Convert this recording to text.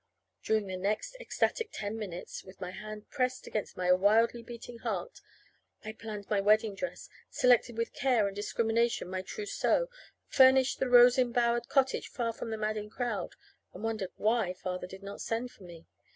During the next ecstatic ten minutes, with my hand pressed against my wildly beating heart, I planned my wedding dress, selected with care and discrimination my trousseau, furnished the rose embowered cottage far from the madding crowd and wondered why Father did not send for me.